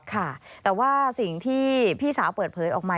ค่ะแต่ว่าสิ่งที่พี่สาวเปิดเผยออกมา